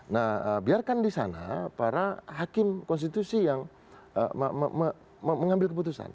nah biarkan di sana para hakim konstitusi yang mengambil keputusan